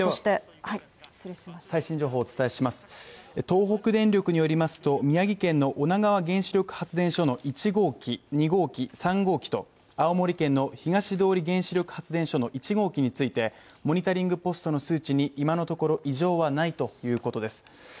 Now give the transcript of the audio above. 最新情報をお伝えします東北電力によりますと、宮城県の女川原子力発電所の１号機２号機、３号機と青森県の東通原子力発電所の１号機についてモニタリングポストの数値に今のところ異常はないということです。